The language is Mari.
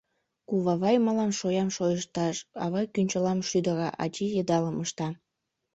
Кувавай мылам шоям шойышташ; авай кӱнчылам шӱдыра, ачий йыдалым ышта.